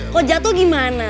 kok jatuh gimana